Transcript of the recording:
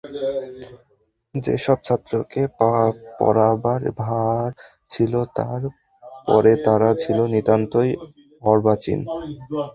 যে-সব ছাত্রকে পড়াবার ভার ছিল তাঁর ' পরে তারা ছিল নিতান্তই অর্বাচীন।